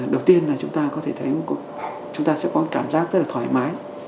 đầu tiên là chúng ta có thể thấy chúng ta sẽ có cảm giác rất là thoải mái